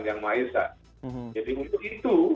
yang maizah jadi untuk itu